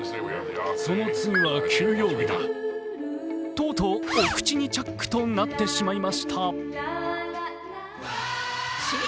とうとう、お口にチャックとなってしまいました。